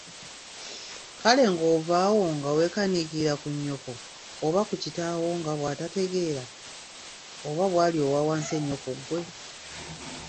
Kale ng'ova awo nga weekaniikiririra ku nnyoko oba kitaawo nga bwatategeera, oba bwali owa wansi ennyo ku ggwe?